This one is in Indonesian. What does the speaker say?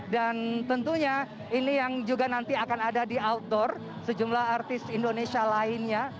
dan tentunya ini yang juga nanti akan ada di outdoor sejumlah artis indonesia lainnya